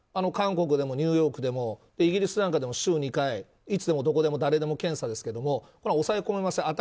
韓国でもニューヨークでもイギリスなんかでも週２回、いつでもどこでも誰でも検査ですけど抑え込めません。